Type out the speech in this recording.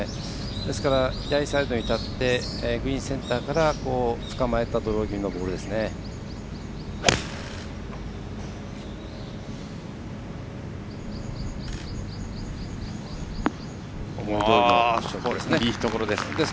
ですから、左サイドに立ってグリーンセンターからつかまえたドロー気味のボールです。